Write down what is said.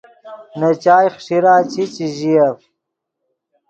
نے چائے خݰیرا چی، چے ژییف